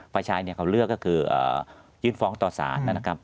ฝ่ายชายเขาเลือกก็คือยื่นฟ้องต่อสารนะครับ